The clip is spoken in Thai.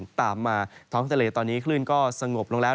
ซึ่งตามมาท้องทะเลตอนนี้ขึ้นก็สงบลงแล้ว